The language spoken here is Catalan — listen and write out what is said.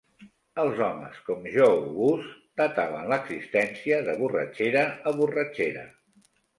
Els homes com Joe Goose dataven l'existència de borratxera a borratxera.